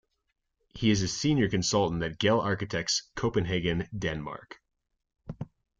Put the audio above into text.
He is Senior Consultant at Gehl Architects, Copenhagen, Denmark.